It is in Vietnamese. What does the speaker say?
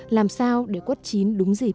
làm sao để cốt chín đúng dịp